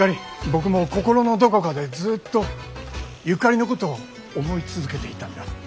僕も心のどこかでずっとゆかりのことを思い続けていたんだ。